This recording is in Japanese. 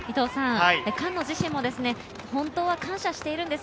菅野自身も本当は感謝しているんです。